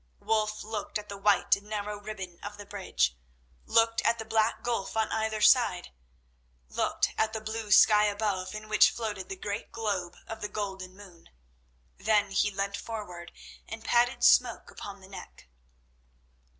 Wulf looked at the white and narrow ribbon of the bridge, looked at the black gulf on either side, looked at the blue sky above, in which floated the great globe of the golden moon. Then he leant forward and patted Smoke upon the neck.